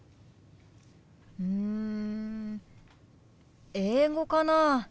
うん英語かな。